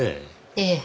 ええ。